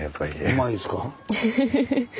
うまいですか？